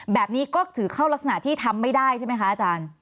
แบบนี้ก็ถือเข้ารักษณะที่ทำไม่ได้ใช่ไหมคะอาจารย์